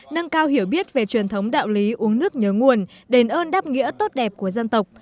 nâng cao hiểu biết về truyền thống đạo lý uống nước nhớ nguồn đền ơn đáp nghĩa tốt đẹp của dân tộc